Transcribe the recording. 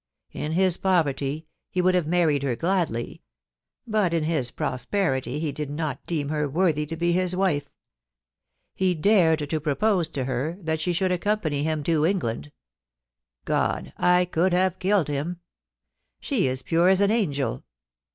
In his poverty he would have married her gladly, but in his prosperity he did not deem her worthy to be his wife. He dared to propose to her that she should accompany him to England. ... God ! I could have killed him. ... She is pure as an angel.